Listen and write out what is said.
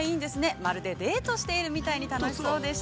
まるでデートしてるみたいに楽しそうでした。